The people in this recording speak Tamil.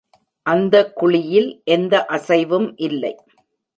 அந்த குழியில் எந்த அசைவும் இல்லை.